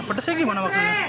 pedasnya gimana maksudnya